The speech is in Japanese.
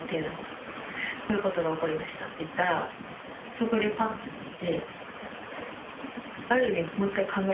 そこでパッて。